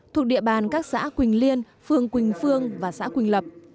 thuộc địa bàn các xã quỳnh liên phường quỳnh phương và xã quỳnh lập